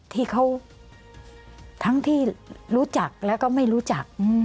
ที่เขาทั้งที่รู้จักแล้วก็ไม่รู้จัก